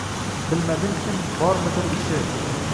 Bilmadimkim, bormidir ishi